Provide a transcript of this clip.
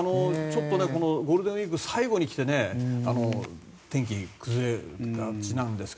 ゴールデンウィークの最後に来て天気、崩れがちなんですが。